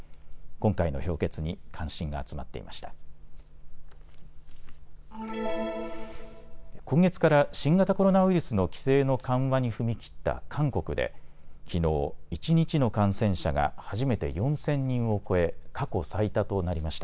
今月から新型コロナウイルスの規制の緩和に踏み切った韓国できのう、一日の感染者が初めて４０００人を超え過去最多となりました。